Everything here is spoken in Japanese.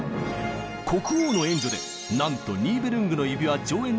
国王の援助でなんと「ニーベルングの指環」